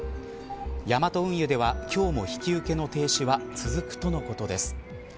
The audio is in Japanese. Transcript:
ヤマト運輸では今日も引き受けの停止は続くとのことです。